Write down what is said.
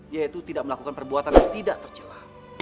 yaitu tidak melakukan perbuatan yang tidak tercelah